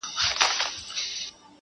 د شرابو خُم پر سر واړوه یاره.